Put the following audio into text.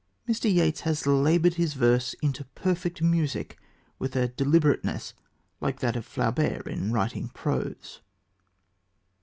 Mr. Yeats has laboured his verse into perfect music with a deliberateness like that of Flaubert in writing prose.